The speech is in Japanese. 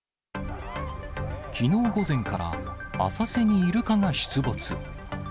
きのう午前から、浅瀬にイルカが出没。